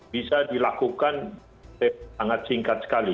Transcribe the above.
bisa dilakukan sangat singkat sekali